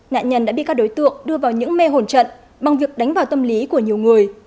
nạn nhân đã bị các đối tượng đưa vào những mê hồn trận bằng việc đánh vào tâm lý của nhiều người